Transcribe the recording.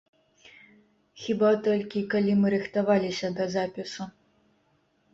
Хіба толькі калі мы рыхтаваліся да запісу.